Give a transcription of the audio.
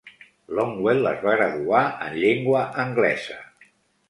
Longwell es va graduar en Llengua Anglesa.